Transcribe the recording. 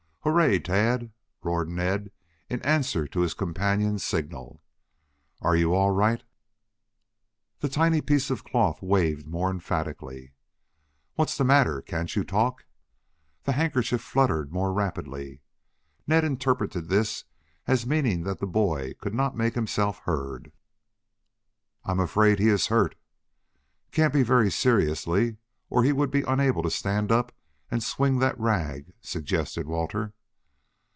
Hooray, T a d!" roared Ned in answer to his companion's signal. "Are you all right?" The tiny piece of cloth waved more emphatically. "What's the matter, can't you talk?" The handkerchief fluttered more rapidly. Ned interpreted this as meaning that the boy could not make himself heard. "I am afraid he is hurt." "Can't be very seriously or he would be unable to stand up and swing that rag," suggested Walter.